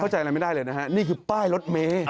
ใจอะไรไม่ได้เลยนะฮะนี่คือป้ายรถเมย์